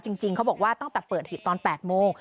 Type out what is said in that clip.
จริงเขาบอกว่าตั้งแต่เปิดหีบตอน๘โมง